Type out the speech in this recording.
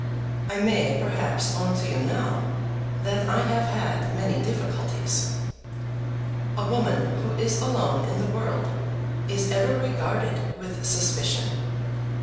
I may, perhaps, own to you now that I have had many difficulties. A woman who is alone in the world is ever regarded with suspicion.